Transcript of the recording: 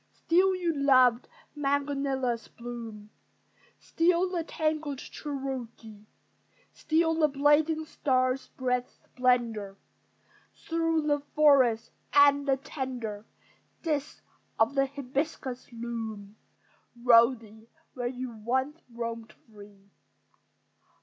Still your loved magnolias bloom, Still the tangled Cherokee; Still the blazing star spreads splendor Through the forest, and the tender Discs of the hibiscus loom, Rosy, where you once roamed free.